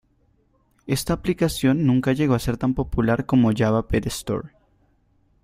Esta aplicación nunca llegó a ser tan popular como Java Pet Store.